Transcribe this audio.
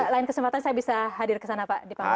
lain kesempatan saya bisa hadir kesana pak di pamekasan